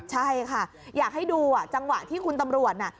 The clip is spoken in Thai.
ใช่ค่ะอยากให้ดูจังหวะที่คุณตำรวจน่ะ